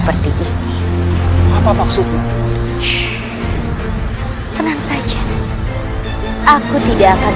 padahal jaya katuang integrate menjadi seven